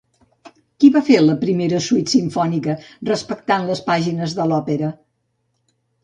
Qui va fer la primera suite simfònica respectant les pàgines de l'òpera?